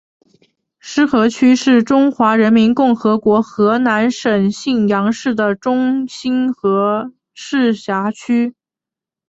浉河区是中华人民共和国河南省信阳市的中心和市辖区。